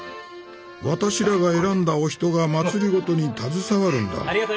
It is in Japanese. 私らが選んだお人が政に携わるんだ。